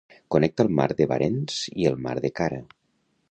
Connecta el mar de Barentsz i el mar de Kara.